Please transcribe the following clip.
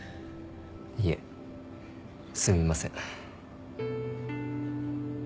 いえすみません。